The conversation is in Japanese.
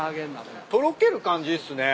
とろける感じっすね。